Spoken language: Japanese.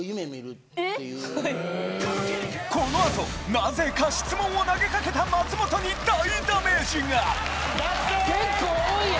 なぜか質問を投げかけた松本に大ダメージがだせえ！